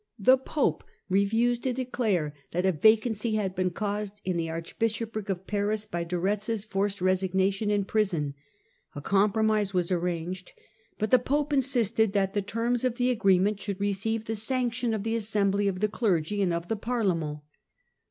The Pope refused to declare that a vacancy had been caused in the archbishopric of Paris by De Rctz's forced resignation in prison. A compromise was arranged ; but the Pope insisted that the terms of the agreement should receive the sanction of the assembly of the clergy and of the Parlement.